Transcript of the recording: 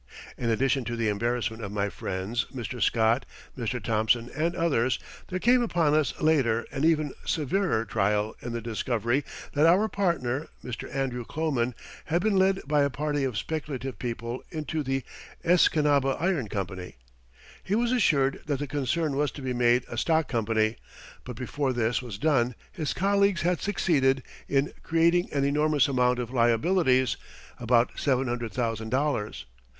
In addition to the embarrassment of my friends Mr. Scott, Mr. Thomson, and others, there came upon us later an even severer trial in the discovery that our partner, Mr. Andrew Kloman, had been led by a party of speculative people into the Escanaba Iron Company. He was assured that the concern was to be made a stock company, but before this was done his colleagues had succeeded in creating an enormous amount of liabilities about seven hundred thousand dollars.